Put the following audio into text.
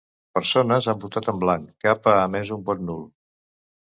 Persones han votat en blanc, cap ha emès un vot nul.